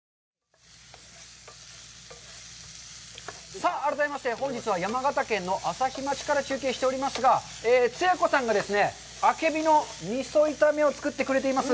さあ、改めまして本日は山形県の朝日町から中継しておりますが、つや子さんがあけびの味噌炒めを作ってくれています。